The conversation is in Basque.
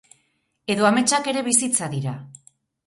Edo ametsak ere bizitza dira?